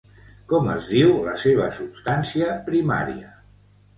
Com es diu la seva substància primària?